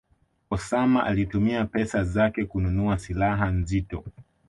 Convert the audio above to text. Osama alitumia pesa zake kununua silaha nzito